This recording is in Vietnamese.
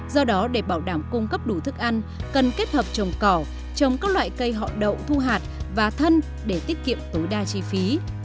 do đó để bảo đảm cung cấp đủ thức ăn cần kết hợp trồng cỏ trồng các loại cây họ đậu thu hạt và thân để tiết kiệm tối đa chi phí